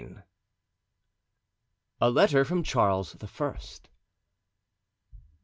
A Letter from Charles the First.